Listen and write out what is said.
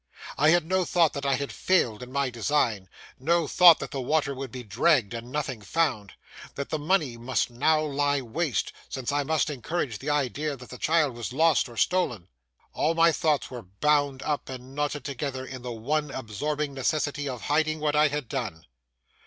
I had no thought that I had failed in my design, no thought that the water would be dragged and nothing found, that the money must now lie waste, since I must encourage the idea that the child was lost or stolen. All my thoughts were bound up and knotted together in the one absorbing necessity of hiding what I had done.